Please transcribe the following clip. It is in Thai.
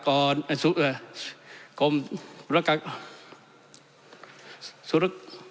กรมศูนย์รักษากร